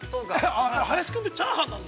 ◆林君て、チャーハンなんだ。